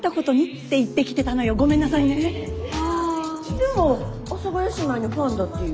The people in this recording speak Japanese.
でも阿佐ヶ谷姉妹のファンだっていう。